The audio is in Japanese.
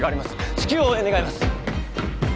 至急応援願います